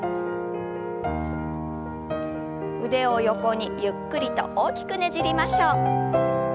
腕を横にゆっくりと大きくねじりましょう。